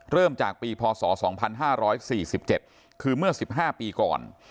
เริ่มจากปีพศ๒๕๔๗คือเมื่อ๑๕ปีก่อน